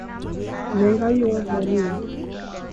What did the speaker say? مہنگائی اور ہونی ہے۔